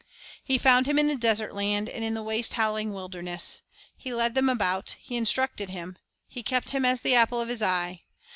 3 " He found him in a desert land, and in the waste howling wilderness; He led him about, He instructed him, He kept him as the apple of His eye.